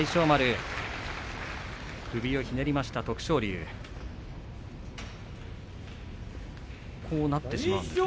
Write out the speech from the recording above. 首をひねりました徳勝龍です。